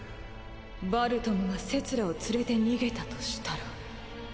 ヴァルトムがセツラを連れて逃げたとしたら。